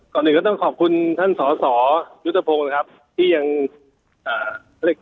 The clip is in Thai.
ตอนนี้ก็ต้องขอบคุณท่านสศยุตภพงศ์นะครับที่ยังเอ่อ